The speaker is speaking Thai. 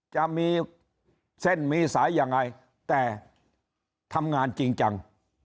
จะมีเส้นมีสายยังไงแต่ทำงานจริงจัง